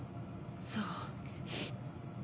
そう。